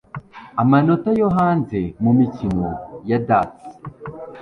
amanota yo hanze mumikino ya Darts